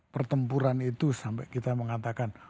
pertempuran itu sampai kita mengatakan